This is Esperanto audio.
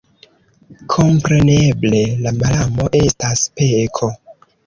Kompreneble, la malamo estas peko.